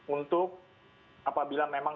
untuk apabila memang